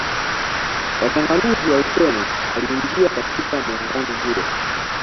Wachanganuzi walisema aliingia katika muungano huo